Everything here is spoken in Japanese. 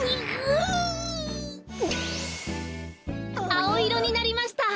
あおいろになりました。